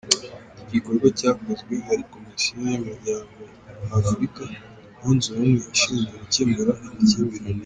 Iki gikorwa cyakozwe hari komisiyo y’umuryango w’Afurika yunze ubumwe ishyinzwe gukemura amakimbirane.